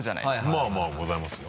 まぁまぁございますよ。